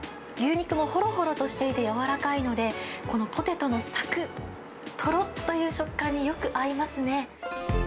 牛肉もほろほろとしていて、柔らかいので、このポテトの、さくっ、とろっという食感によく合いますね。